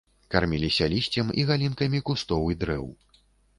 Карміліся лісцем і галінкамі кустоў і дрэў.